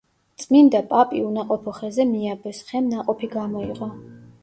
წმინდა პაპი უნაყოფო ხეზე მიაბეს, ხემ ნაყოფი გამოიღო.